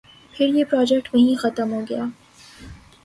پھر یہ پراجیکٹ وہیں ختم ہو گیا۔